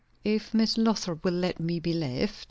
"If Miss Lothrop will let me be left.